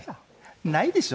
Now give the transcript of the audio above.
ないでしょ。